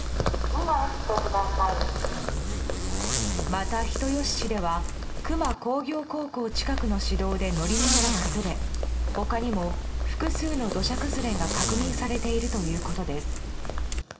また、人吉市では球磨工業高校近くの市道で法面が崩れ他にも複数の土砂崩れが確認されているということです。